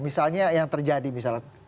misalnya yang terjadi misalnya